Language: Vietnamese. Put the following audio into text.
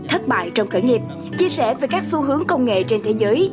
thất bại trong khởi nghiệp chia sẻ về các xu hướng công nghệ trên thế giới